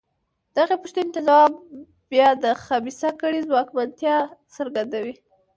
دغې پوښتنې ته ځواب بیا د خبیثه کړۍ ځواکمنتیا څرګندوي.